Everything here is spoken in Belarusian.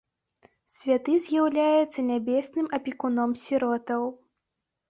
Святы з'яўляецца нябесным апекуном сіротаў.